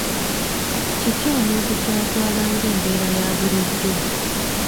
Kiki omuntu ky'atwala ng'embeera ya bulijjo.